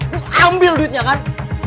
lu ambil duitnya kan